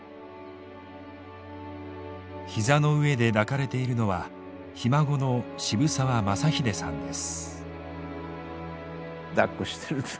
膝の上で抱かれているのはひ孫の渋沢雅英さんです。